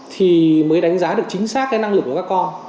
thì mới đánh giá được chính xác cái năng lực của các con